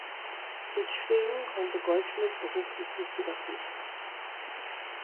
In Schweden konnte Goldschmidt beruflich nicht wieder Fuß fassen.